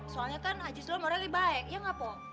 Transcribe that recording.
soalnya kan haji sulam orangnya lebih baik ya gak pok